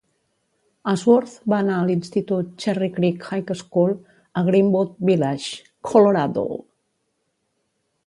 Ashworth va anar a l'institut Cherry Creek High School a Greenwood Village, Colorado.